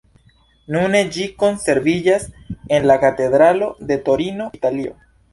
Nune ĝi konserviĝas en la katedralo de Torino, Italio.